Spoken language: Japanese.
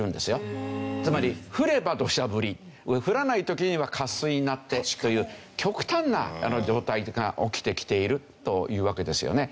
つまり降れば土砂降り降らない時には渇水になってという極端な状態が起きてきているというわけですよね。